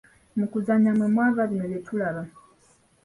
Mu kuzannya mwe mwava bino byetulaba.